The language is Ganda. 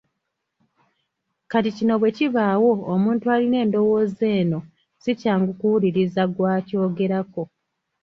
Kati kino bwe kibaawo omuntu alina endowooza eno si kyangu kuwuliriza gw’akyogerako.